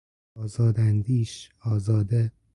آزاد اندیش، آزاده